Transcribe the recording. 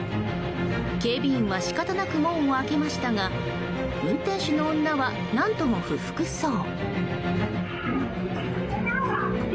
警備員が仕方なく門を開けましたが運転手の女は何とも不服そう。